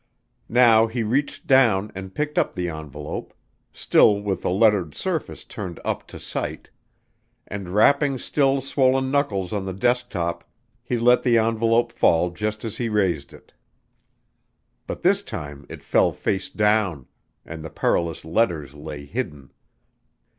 Now he reached down and picked up the envelope still with the lettered surface turned up to sight and rapping still swollen knuckles on the desk top, he let the envelope fall just as he raised it. But this time it fell face down and the perilous letters lay hidden.